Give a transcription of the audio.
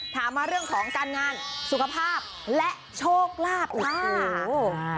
ถามมาเรื่องของการงานสุขภาพและโชคลาภค่ะ